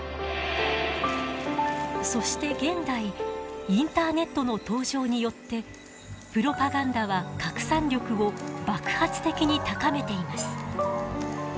そして現代インターネットの登場によってプロパガンダは拡散力を爆発的に高めています。